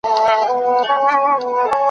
نګهبان مي د ناموس دی زما د خور پت په ساتلی !.